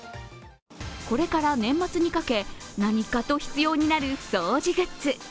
これから年末にかけ、何かと必要になる掃除グッズ。